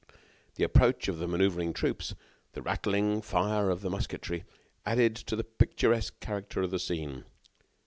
The approach of the maneuvering troops, the rattling fire of the musketry, added to the picturesque character of the scene.